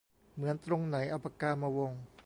เหมือนตรงไหน เอาปากกามาวง